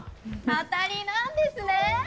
当たりなんですね。